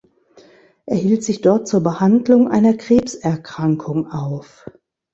Er hielt sich dort zur Behandlung einer Krebserkrankung auf.